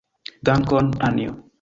Dankon, Anjo.